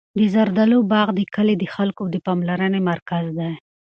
د زردالو باغ د کلي د خلکو د پاملرنې مرکز دی.